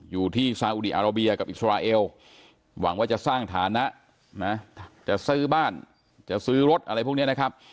อยู่ที่ซาอุดีอาราเบียกับอิสราเอลหวังว่าจะสร้างฐานะนะจะซื้อบ้านจะซื้อรถอะไรพวกนี้นะครับ